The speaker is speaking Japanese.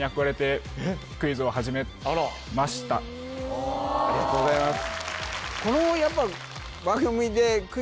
・あらありがとうございます